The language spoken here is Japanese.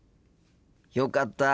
よかった。